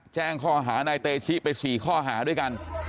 แจ้งข้อหานายเตชิไป๔ข้อหาด้วยกัน